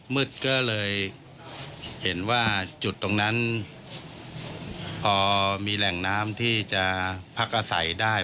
มืดก็เลยเห็นว่าจุดตรงนั้นพอมีแหล่งน้ำที่จะพักอาศัยได้